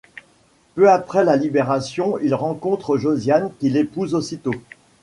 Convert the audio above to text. Peu après la Libération, il rencontre Josiane qu'il épouse aussitôt.